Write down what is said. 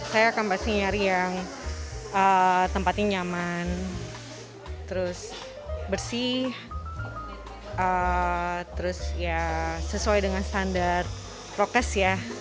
saya akan pasti nyari yang tempatnya nyaman bersih sesuai dengan standar prokes